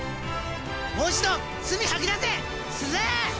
もう一度すみ吐き出せすず！